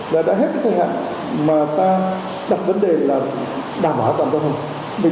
đã hết cái thời hạn mà ta đặt vấn đề là đảm bảo an toàn cơ hội